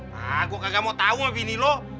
nah gue nggak mau tau sama bini lo